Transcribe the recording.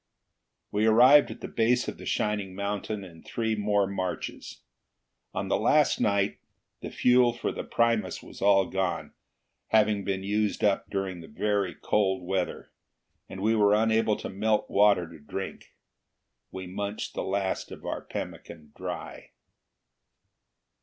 We arrived at the base of the shining mountain in three more marches. On the last night the fuel for the primus was all gone, having been used up during the very cold weather, and we were unable to melt water to drink. We munched the last of our pemmican dry.